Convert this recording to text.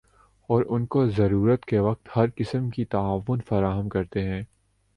اور ان کو ضرورت کے وقت ہر قسم کی تعاون فراہم کرتے ہیں ۔